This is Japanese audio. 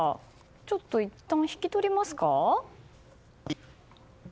ちょっといったん引き取りますか？